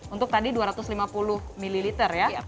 untuk tadi dua ratus lima puluh ml ya